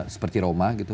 seperti roma gitu